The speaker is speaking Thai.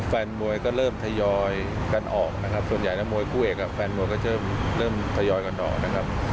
แฟนมวยก็เริ่มทยอยกันออกส่วนใหญ่มวยคู่เอกแฟนมวยก็จะเริ่มทยอยกันออก